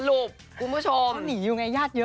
สรุปคุณผู้ชมต้องหนีอยู่ไงญาติเยอะ